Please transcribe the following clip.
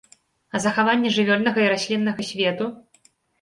А захаванне жывёльнага і расліннага свету?